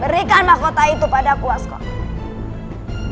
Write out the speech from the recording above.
berikan mahkota itu padaku waskola